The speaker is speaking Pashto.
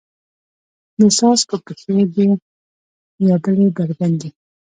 د څاڅکو پښې دي یبلې بربنډې